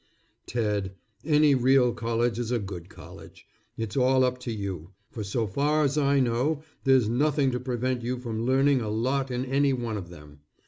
Ted, any real college is a good college. It's all up to you, for so far as I know, there's nothing to prevent you learning a lot in any one of them.